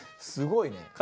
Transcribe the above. すごいね。